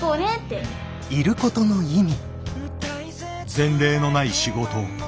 前例のない仕事。